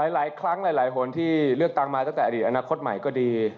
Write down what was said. หลายครั้งหลายคนที่เลือกตั้งมาตั้งแต่อดีตอนาคตใหม่ก็ดี